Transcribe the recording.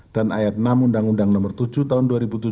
dan ayat enam undang undang nomor tujuh tahun dua ribu tujuh belas